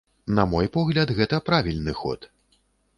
На мой погляд, гэта правільны ход.